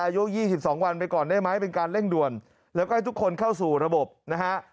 อายุ๒๒วันไปก่อนได้ไหมเป็นการเร่งด่วนแล้วก็ให้ทุกคนเข้าสู่ระบบนะฮะ